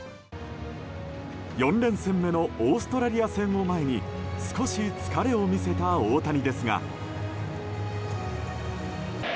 ４聯戦目のオーストラリア戦を前に少し疲れを見せた大谷ですが。